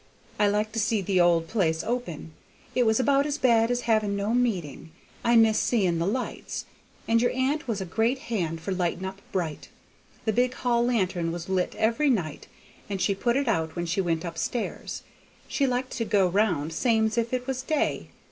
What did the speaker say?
I like to see the old place open; it was about as bad as having no meeting. I miss seeing the lights, and your aunt was a great hand for lighting up bright; the big hall lantern was lit every night, and she put it out when she went up stairs. She liked to go round same's if it was day.